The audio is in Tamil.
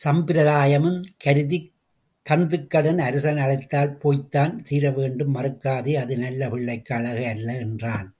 சம்பிரதாயம் கருதிக் கந்துக்கடன், அரசன் அழைத்தால் போய்த்தான் தீரவேண்டும் மறுக்காதே அது நல்ல பிள்ளைக்கு அழகு அல்ல என்றான்.